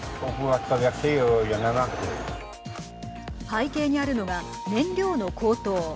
背景にあるのが燃料の高騰。